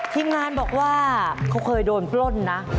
ทีมงานบอกว่าเขาเคยโดนปล้นนะ